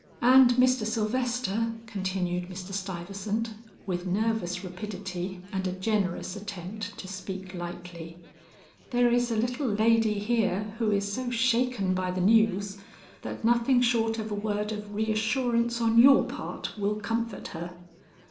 "And Mr. Sylvester," continued Mr. Stuyvesant, with nervous rapidity and a generous attempt to speak lightly, "there is a little lady here who is so shaken by the news, that nothing short of a word of reassurance on your part will comfort her."